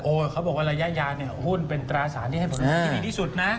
เขาบอกว่าระยะยาวเนี่ยหุ้นเป็นตราสารที่ให้ผลงานที่ดีที่สุดนะ